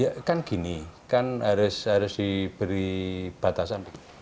ya kan gini kan harus diberi batasan